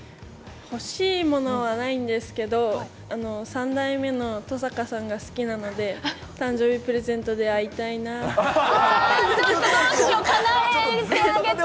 欲しいものはないんですけど、３代目の登坂さんが好きなんで、誕生日プレゼントで会いたいなって。